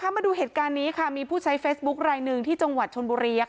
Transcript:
มาดูเหตุการณ์นี้ค่ะมีผู้ใช้เฟซบุ๊คลายหนึ่งที่จังหวัดชนบุรี